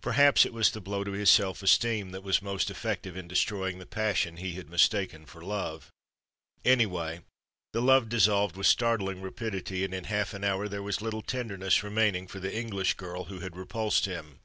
Perhaps it was the blow to his self esteem that was most effective in destroying the passion he had mistaken for love. Anyway, the love dissolved with startling rapidity, and in a half hour there was little tenderness remaining for the English girl who had repulsed him.